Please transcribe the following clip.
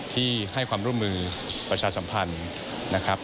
ที่ให้ความร่วมมือประชาสัมพันธ์นะครับ